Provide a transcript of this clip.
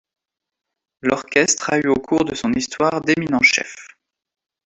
L'orchestre a eu au cours de son histoire d'éminents chefs.